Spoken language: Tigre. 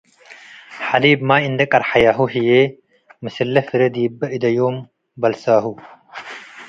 ሐሊብ ማይ እንዴ ቀርሐያሁ ህዬ ምስለ ፍሬ ዲበ እደዮም በልሳሁ ።